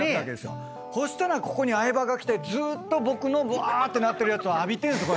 そしたらここに相葉が来てずーっと僕のぶわーってなってるやつを浴びてるんですよ